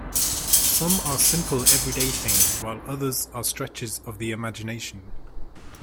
Some are simple everyday things, while others are stretches of the imagination.